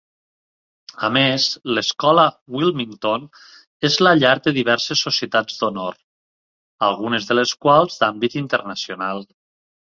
A més, l'escola Wilmington és la llar de diverses societats d'honor, algunes de les quals d'àmbit internacional.